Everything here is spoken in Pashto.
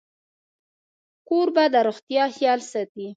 کوربه د روغتیا خیال ساتي.